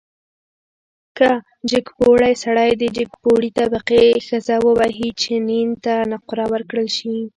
که جګپوړی سړی د جګپوړي طبقې ښځه ووهي، جنین ته نقره ورکړل شي.